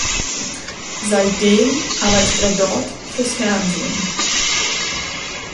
Seitdem arbeitet er dort fürs Fernsehen.